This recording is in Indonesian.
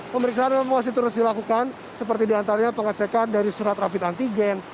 pemeriksaan dan penguasai terus dilakukan seperti diantaranya pengecekan dari surat rapit antigen